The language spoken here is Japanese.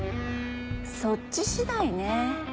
そっち次第ね。